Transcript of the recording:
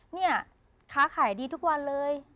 เนี่ยค้าขายดีทุกวันเลย